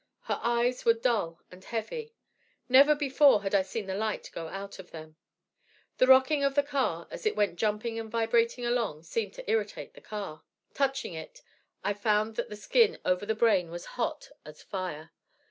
Her eyes were dull and heavy. Never before had I seen the light go out of them. The rocking of the car as it went jumping and vibrating along seemed to irritate the car. Touching it, I found that the skin over the brain was hot as fire.